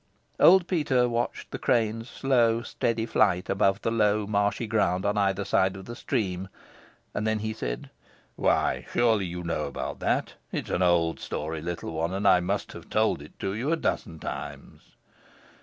Old Peter watched the crane's slow, steady flight above the low marshy ground on either side of the stream, and then he said, "Why, surely you know all about that. It is an old story, little one, and I must have told it you a dozen times."